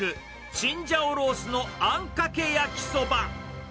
チンジャオロースのあんかけ焼きそば。